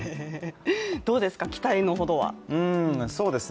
どうですか、期待のほどは。